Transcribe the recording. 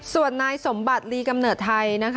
ส่วนนายสมบัติลีกำเนิดไทย